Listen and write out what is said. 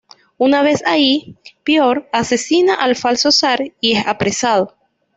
Una vez ahí, Piotr asesina al falso zar, y es apresado.